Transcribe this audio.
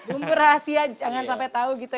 bumbu rahasia jangan sampai tahu gitu